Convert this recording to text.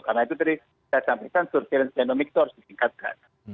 karena itu tadi saya sampaikan surveillance genomic itu harus disingkatkan